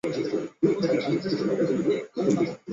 巴里讷后帕涅人口变化图示